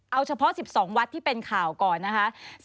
เอาเฉพาะ๑๒วัดที่เป็นข่าวก่อนนะคะ